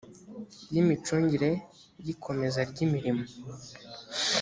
y imicungire y ikomeza ry imirimo